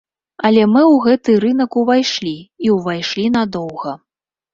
Але мы ў гэты рынак увайшлі, і ўвайшлі надоўга.